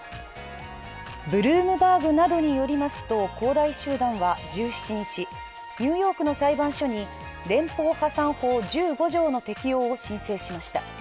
ブルームバーグなどによりますと恒大集団は１７日、ニューヨークの裁判所に連邦破産法１５条の適用を申請しました。